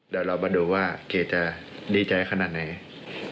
เดี๋ยวเรามาดูว่าเคจะดีใจขนาดไหน